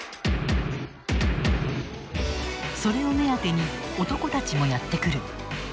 それを目当てに男たちもやって来る。